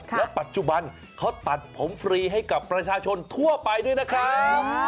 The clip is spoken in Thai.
แล้วปัจจุบันเขาตัดผมฟรีให้กับประชาชนทั่วไปด้วยนะครับ